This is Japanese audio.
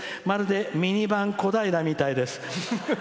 まるで、ミニ版小平みたいです。